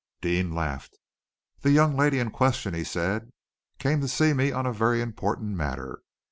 Deane laughed. "The young lady in question," he said, "came to see me on a very important matter.